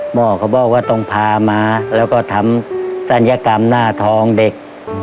หมอก็บอกว่าต้องพามาแล้วก็ทำศัลยกรรมหน้าทองเด็ก